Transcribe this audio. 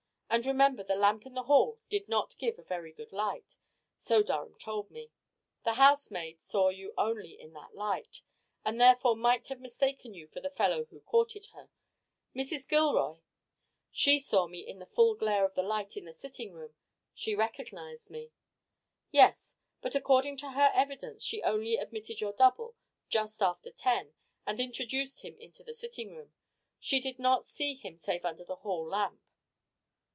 And remember the lamp in the hall did not give a very good light so Durham told me. The housemaid saw you only in that light, and therefore might have mistaken you for the fellow who courted her. Mrs. Gilroy " "She saw me in the full glare of the light in the sitting room. She recognized me." "Yes. But according to her evidence she only admitted your double just after ten and introduced him into the sitting room. She did not see him save under the hall lamp."